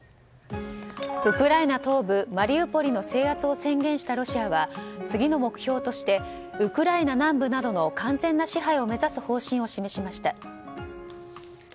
ウクライナ東部マリウポリの制圧を宣言したロシアは次の目標としてウクライナ南部などの完全な支配を目指す方針を示しました。